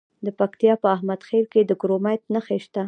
د پکتیا په احمد خیل کې د کرومایټ نښې شته.